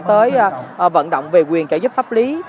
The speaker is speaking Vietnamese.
tới vận động về quyền trả giúp pháp lý